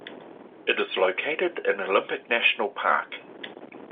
It is located in Olympic National Park.